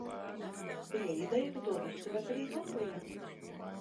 Bija ideja, ka to visu var darīt Latvijā.